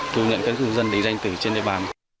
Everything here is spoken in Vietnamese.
thu nhận các công dân đánh danh từ trên đề bàn